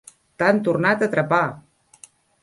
T'han tornat a atrapar!